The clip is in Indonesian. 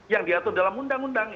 yang diatur dalam undang undang